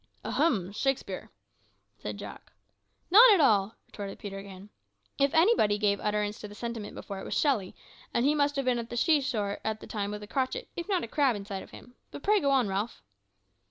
"Ahem! Shakespeare?" said Jack. "Not at all," retorted Peterkin. "If anybody gave utterance to the sentiment before, it was Shelley, and he must have been on the sea shore at the time with a crotchet, if not a crab, inside of him. But pray go on, Ralph."